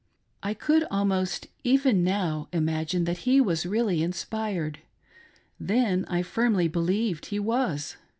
I could almost, even now, imagine that he was "really inspired. Then I firmly believed he was.